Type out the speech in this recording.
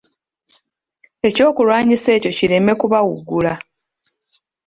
Ekyokulwanyisa ekyo kireme kubawugula.